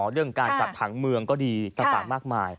เรื่องการจัดผังเมืองก็ดีต่างมากมาย